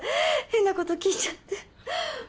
変なこと聞いちゃって。